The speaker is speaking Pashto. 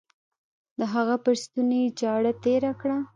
د هغه پر ستوني يې چاړه تېره کړه.